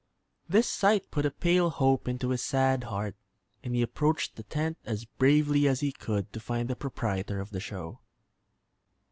This sight put a pale hope into his sad heart, and he approached the tent as bravely as he could to find the proprietor of the show.